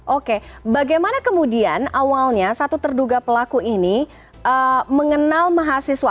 oke bagaimana kemudian awalnya satu terduga pelaku ini mengenal mahasiswa